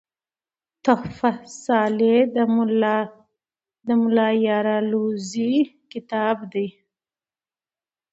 "تحفه صالح" دملا الله یار الوزي کتاب دﺉ.